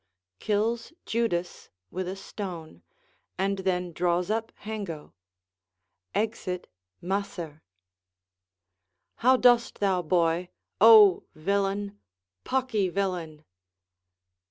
[Kills Judas with a stone, and then draws up Hengo. Exit Macer.] How dost thou, boy? O villain, pocky villain!